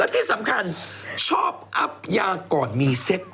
และที่สำคัญชอบอับยาก่อนมีเซค